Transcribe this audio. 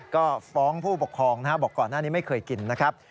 ก็ฟ้องผู้ปกครองนะครับบอกก่อนหน้านี้ไม่เคยกินนะครับ